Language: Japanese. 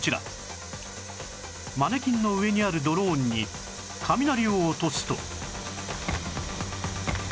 マネキンの上にあるドローンに雷を落とすと